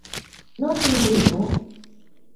何時に出てくの？